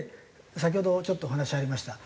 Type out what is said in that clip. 先ほどちょっとお話ありました。